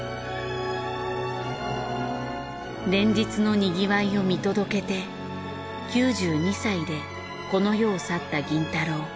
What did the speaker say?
連日のにぎわいを見届けて９２歳でこの世を去った銀太郎。